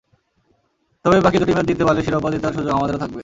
তবে বাকি দুটি ম্যাচ জিততে পারলে শিরোপা জেতার সুযোগ আমাদেরও থাকবে।